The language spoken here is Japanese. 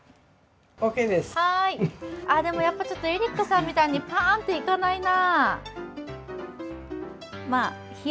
でも、やっぱりエリックさんみたいにぱーんといかないな。